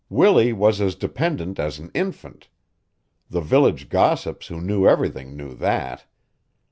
Willie was as dependent as an infant; the village gossips who knew everything knew that.